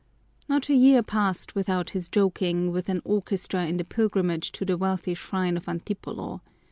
Not a year passed without his joining with an orchestra in the pilgrimage to the wealthy shrine of Antipolo.